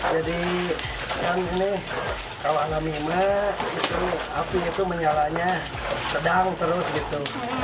jadi kan ini kalau alami emak api itu menyalanya sedang terus gitu